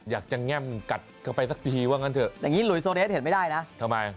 แง่มกัดเข้าไปสักทีว่างั้นเถอะอย่างนี้หลุยโซเดสเห็นไม่ได้นะทำไม